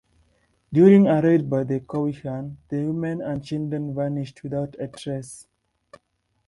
During a raid by the Cowichan, the women and children vanished without a trace.